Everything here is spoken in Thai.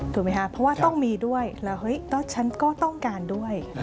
ถูกไหมคะเพราะว่าต้องมีด้วยแล้วเฮ้ยก็ฉันก็ต้องการด้วย